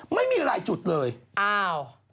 ไม่มีรายจุดเลยอ้าว